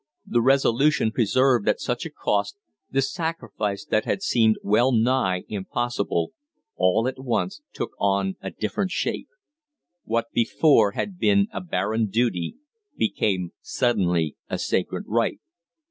The resolution preserved at such a cost, the sacrifice that had seemed wellnigh impossible, all at once took on a different shape. What before had been a barren duty became suddenly a sacred right.